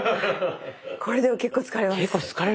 これでも結構疲れます。